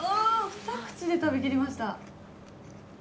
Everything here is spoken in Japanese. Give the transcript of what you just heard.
ふた口で食べきりました。